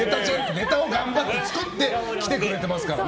ネタを頑張って作って来てくれてますからね。